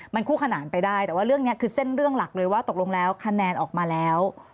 มันคู่ขนานไปได้แต่ว่าเรื่องนี้คือเส้นเรื่องหลักเลยว่าตกลงแล้วคะแนนออกมาแล้ว